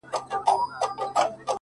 دې لېوني ماحول کي ووایه پر چا مئين يم;